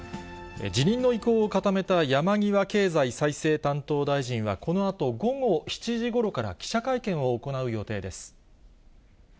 辞任の意向を固めた山際経済再生担当大臣は、このあと午後７時ごろから記者会見を行う予定です。